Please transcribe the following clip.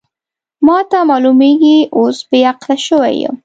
ما ته معلومېږي اوس بې عقله شوې یم.